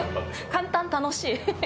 簡単楽しい。